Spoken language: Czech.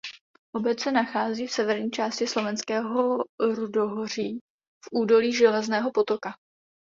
Obec se nachází v severní části Slovenského rudohoří v údolí Železného potoka.